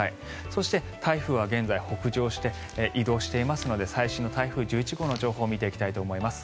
そして、台風は現在、北上して移動していますので最新の台風１１号の情報を見ていきたいと思います。